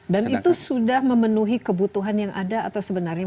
dan itu sudah memenuhi kebutuhan yang ada atau sebenarnya